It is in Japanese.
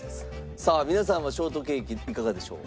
さあ皆さんはショートケーキいかがでしょう？